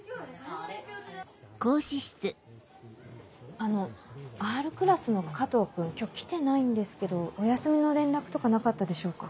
あのＲクラスの加藤君今日来てないんですけどお休みの連絡とかなかったでしょうか？